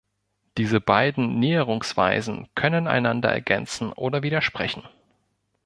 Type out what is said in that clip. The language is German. Diese beiden Näherungsweisen können einander ergänzen oder widersprechen.